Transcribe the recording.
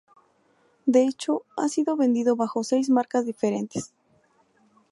De hecho, ha sido vendido bajo seis marcas diferentes.